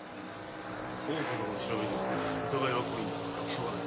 大岡殿の調べによると疑いは濃いのだが確証がない。